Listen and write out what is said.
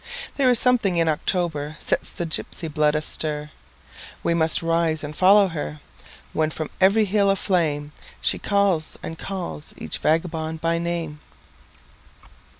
There is something in October sets the gypsy blood astir; We must rise and follow her, When from every hill of flameShe calls and calls each vagabond by name.